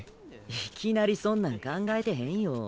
いきなりそんなん考えてへんよ。